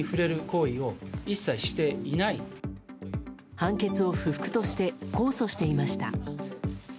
判決を不服として控訴していました。